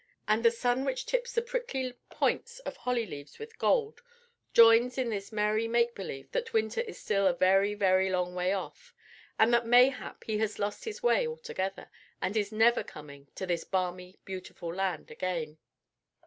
And the sun which tips the prickly points of holly leaves with gold, joins in this merry make believe that winter is still a very, very long way off, and that mayhap he has lost his way altogether, and is never coming to this balmy beautiful land again.